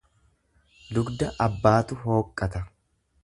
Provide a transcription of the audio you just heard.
Dugda abbaatu hooqqata.